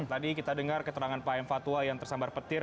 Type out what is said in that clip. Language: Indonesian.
tadi kita dengar keterangan pak enfatwa yang tersambar petir